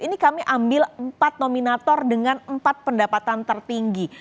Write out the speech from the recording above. ini kami ambil empat nominator dengan empat pendapatan tertinggi